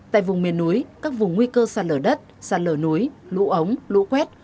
tại vùng miền núi các vùng nguy cơ sạt lở đất sạt lở núi lũ ống lũ quét